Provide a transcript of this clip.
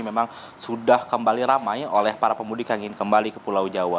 memang sudah kembali ramai oleh para pemudik yang ingin kembali ke pulau jawa